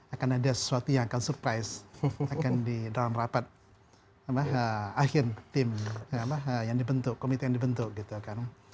akan ada sesuatu yang akan surprise akan di dalam rapat akhir tim yang dibentuk komite yang dibentuk gitu kan